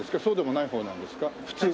そうでもないほうなんですか？